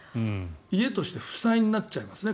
家として負債になっちゃいますね